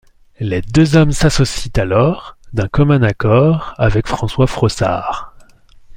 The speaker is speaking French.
Les deux hommes s'associent alors, d'un commun accord, avec François Frossard.